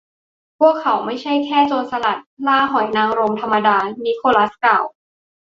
พวกเขาไม่ใช่แค่ โจรสลัดล่าหอยนางรมธรรมดา นิโคลัสกล่าว